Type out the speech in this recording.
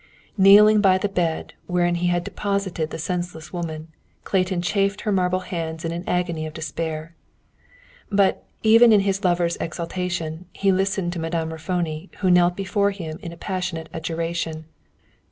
Kneeling by the bed, wherein he had deposited the senseless woman, Clayton chafed her marble hands in an agony of despair. But, even in his lover's exaltation, he listened to Madame Raffoni, who knelt before him in passionate adjuration.